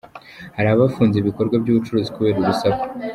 Hari abafunze ibikorwa by’ubucuruzi kubera urusaku.